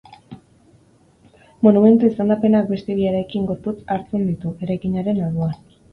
Monumentu izendapenak beste bi eraikin-gorputz hartzen ditu, eraikinaren alboan.